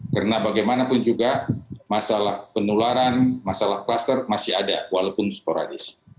karena bagaimanapun juga masalah penularan masalah kluster masih ada walaupun sporadis